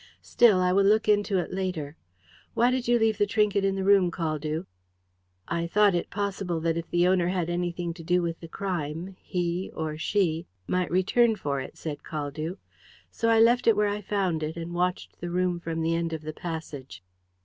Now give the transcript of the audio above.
"Still, I will look into it later. Why did you leave the trinket in the room, Caldew?" "I thought it possible that if the owner had anything to do with the crime he or she might return for it," said Caldew. "So I left it where I found it, and watched the room from the end of the passage."